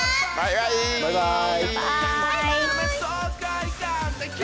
バイバイ！